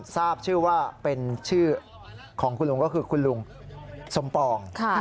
ทราบชื่อว่าเป็นชื่อของคุณลุงก็คือคุณลุงสมปอง